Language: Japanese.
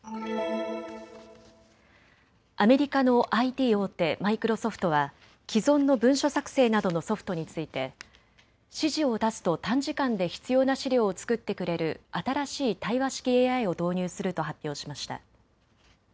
アメリカのＩＴ大手、マイクロソフトは既存の文書作成などのソフトについて指示を出すと短時間で必要な資料を作ってくれる新しい対話式ＡＩを導入すると発表しました。